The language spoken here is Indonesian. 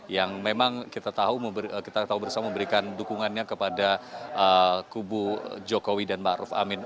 yang memang kita tahu bersama memberikan dukungannya kepada kubu jokowi dan ⁇ maruf ⁇ amin